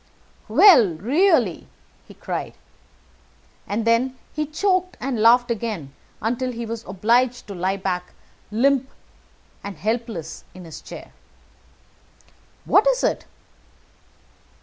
"Well, really!" he cried, and then he choked, and laughed again until he was obliged to lie back, limp and helpless, in the chair. "What is it?"